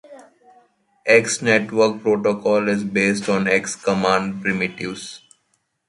X's network protocol is based on X command primitives.